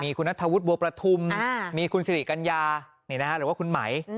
คุณนัทธวุฒิบัวประทุมมีคุณสิริกัญญาหรือว่าคุณไหม